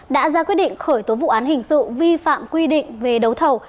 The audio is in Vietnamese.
đã ra quyết định khởi tố vụ án hình sự vi phạm quy định về đấu thầu